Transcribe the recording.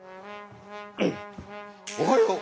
おはよう。